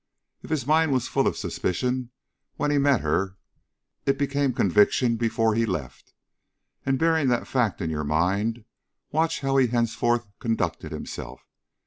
If his mind was full of suspicion when he met her, it became conviction before he left; and, bearing that fact in your mind, watch how he henceforth conducted himself.